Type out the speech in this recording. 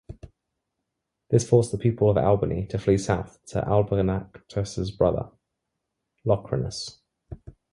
This forced the people of Albany to flee south to Albanactus's brother, Locrinus.